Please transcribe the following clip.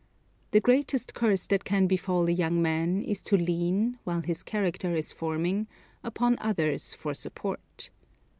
The greatest curse that can befall a young man is to lean, while his character is forming, upon others for support.